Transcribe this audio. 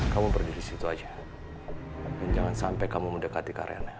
kamu berdiri situ aja dan jangan sampai kamu mendekati karennya